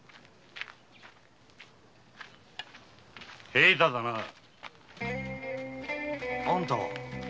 平太だな。あんたは？